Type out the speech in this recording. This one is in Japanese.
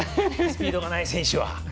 スピードがない選手は。